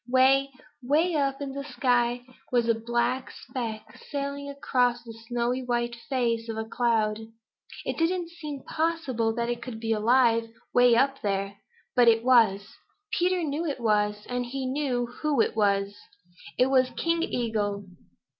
Way, way up in the sky was a black speck sailing across the snowy white face of a cloud. It didn't seem possible that it could be alive way up there. But it was. Peter knew that it was, and he knew who it was. It was King Eagle.